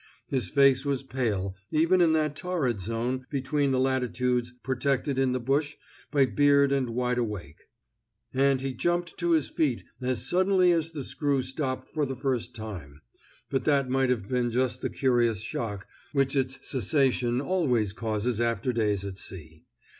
His face was pale, even in that torrid zone between the latitudes protected in the bush by beard and wide awake. And he jumped to his feet as suddenly as the screw stopped for the first time; but that might have been just the curious shock which its cessation always causes after days at sea.